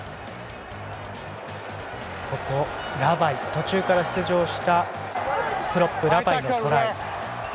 途中から出場したプロップラバイのトライ。